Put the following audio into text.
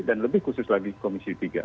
dan lebih khusus lagi komisi tiga